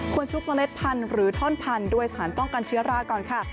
ชุบเล็ดพันธุ์หรือท่อนพันธุ์ด้วยสารป้องกันเชื้อราก่อนค่ะ